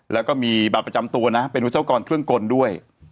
แล้วก็มีบัตรประจำตัวนะเป็นวิศวกรเครื่องกลด้วย